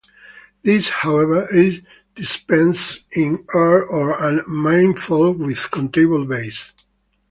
This, however, is dispensed in R or a manifold with countable base.